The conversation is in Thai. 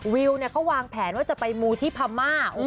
วิวเขาวางแผนว่าจะไปมูที่พม่า